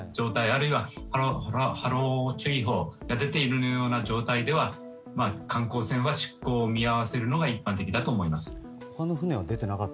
あるいは、波浪注意報が出ているような状態では観光船は出航を見合わせるのが一般的だと思います。